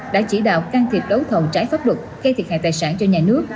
đã chỉ đạo can thiệp đấu thầu trái pháp luật gây thiệt hại tài sản cho nhà nước